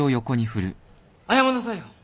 謝んなさいよ。